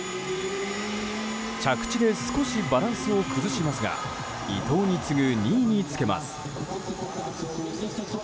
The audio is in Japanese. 着地で少しバランスを崩しますが伊藤に次ぐ２位につけます。